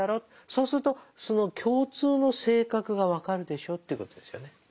そうするとその共通の性格が分かるでしょということですよね。